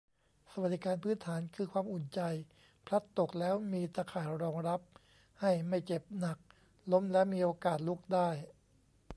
สวัสดิการพื้นฐานคือความอุ่นใจ พลัดตกแล้วมีตาข่ายรองรับให้ไม่เจ็บหนัก ล้มแล้วมีโอกาสลุกได้